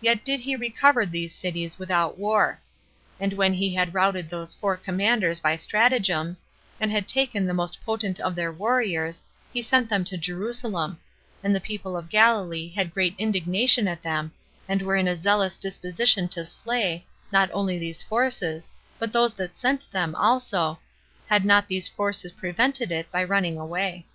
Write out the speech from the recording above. Yet did he recover these cities without war; and when he had routed those four commanders by stratagems, and had taken the most potent of their warriors, he sent them to Jerusalem; and the people [of Galilee] had great indignation at them, and were in a zealous disposition to slay, not only these forces, but those that sent them also, had not these forces prevented it by running away.